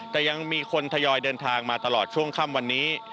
แต่ยังมีคนทยอยเดินทางมาตลอดช่วงค่ำวันนี้